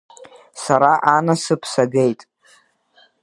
Сара анасыԥ сагеит!